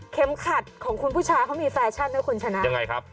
ขัดของคุณผู้ชายเขามีแฟชั่นนะคุณชนะยังไงครับ